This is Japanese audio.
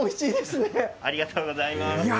ありがとうございます。